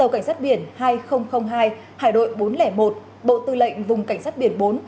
cảnh sát biển hai nghìn hai hải đội bốn trăm linh một bộ tư lệnh vùng cảnh sát biển bốn